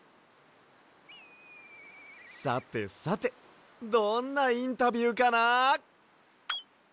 さてさてどんなインタビューかな？